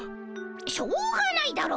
しょうがないだろ。